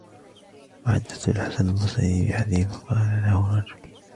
وَحَدَّثَ الْحَسَنُ الْبَصْرِيُّ بِحَدِيثٍ فَقَالَ لَهُ رَجُلٌ